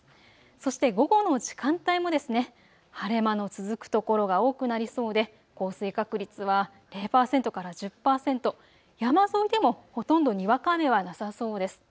そして午後の時間帯も晴れ間の続く所が多くなりそうで降水確率は０％から１０％、山沿いでもほとんどにわか雨はなさそうです。